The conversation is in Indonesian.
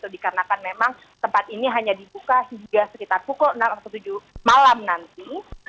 dikarenakan memang tempat ini hanya dibuka hingga sekitar pukul enam atau tujuh malam nanti